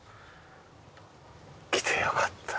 来て良かった。